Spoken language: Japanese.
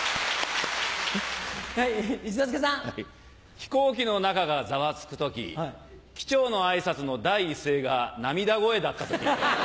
飛行機の中がざわつく時機長の挨拶の第一声が涙声だった時。